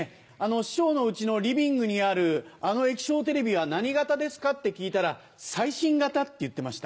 師匠の家のリビングにあるあの液晶テレビは何型ですか？って聞いたら「最新型」って言ってました。